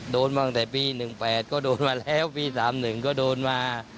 โดนมาตั้งแต่ปีหนึ่งแปดก็โดนมาแล้วปีสามหนึ่งโดนมา